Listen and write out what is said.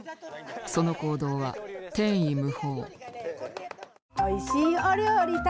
その行動は天衣無縫。